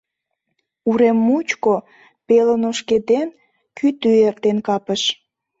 Урем мучко, пелын ошкеден, кӱтӱ эртен капыш.